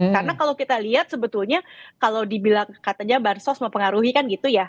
karena kalau kita lihat sebetulnya kalau dibilang katanya bansos mau pengaruhi kan gitu ya